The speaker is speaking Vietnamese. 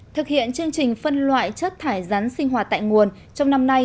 thực hiện chương trình phân loại chất thải rắn sinh hoạt tại nguồn trong năm nay